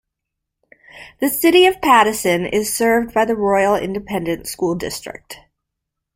The City of Pattison is served by the Royal Independent School District.